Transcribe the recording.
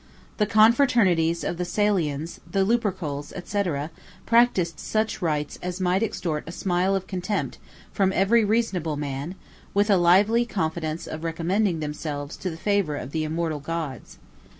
The confraternities of the Salians, the Lupercals, &c., practised such rites as might extort a smile of contempt from every reasonable man, with a lively confidence of recommending themselves to the favor of the immortal gods.